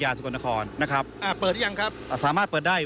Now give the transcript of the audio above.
สกลนครนะครับอ่าเปิดหรือยังครับอ่าสามารถเปิดได้